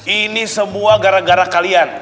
ini semua gara gara kalian